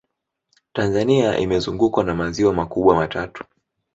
tanzania imezungukwa na maziwa makubwa matatu